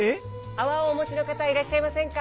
あわをおもちのかたいらっしゃいませんか？